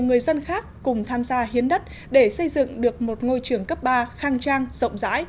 người dân khác cùng tham gia hiến đất để xây dựng được một ngôi trường cấp ba khang trang rộng rãi